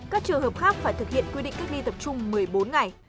các trường hợp khác phải thực hiện quy định cách ly tập trung một mươi bốn ngày